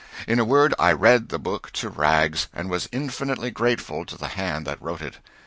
In a word, I read the book to rags, and was infinitely grateful to the hand that wrote it.